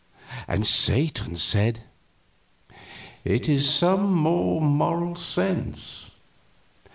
Satan said: "It is some more Moral Sense.